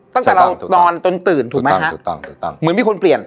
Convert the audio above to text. ตั้งแต่เราตอนต้นตื่นถูกไหมฮะถูกต้องถูกต้องเหมือนไม่ควรเปลี่ยน